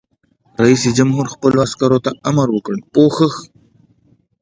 رئیس جمهور خپلو عسکرو ته امر وکړ؛ پوښښ!